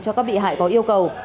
cho các bị hại có yêu cầu